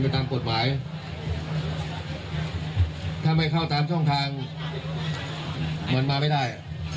มันมาไม่ได้ไม่ได้เพราะผมไม่ได้มีหน้าที่ไม่ได้